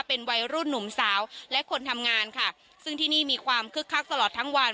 เป็นวัยรุ่นหนุ่มสาวและคนทำงานค่ะซึ่งที่นี่มีความคึกคักตลอดทั้งวัน